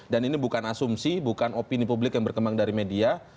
dan ini bukan asumsi bukan opini publik yang berkembang dari media